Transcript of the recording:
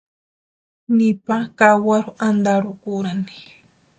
Nipa kawarurhu antarhukurani.